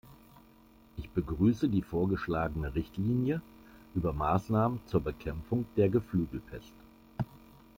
Ich begrüße die vorgeschlagene Richtlinie über Maßnahmen zur Bekämpfung der Geflügelpest.